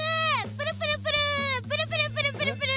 プルプルプルプルプルプルプルプル。